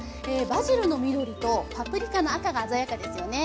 バジルの緑とパプリカの赤が鮮やかですよね。